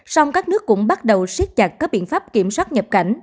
song các nước cũng bắt đầu siết chặt các biện pháp kiểm soát nhập cảnh